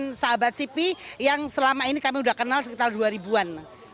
dengan sahabat sipi yang selama ini kami sudah kenal sekitar dua ribu an